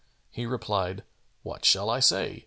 He replied, "What shall I say?